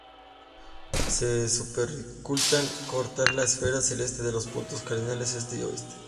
Su perpendicular corta a la esfera celeste en los puntos cardinales este y oeste.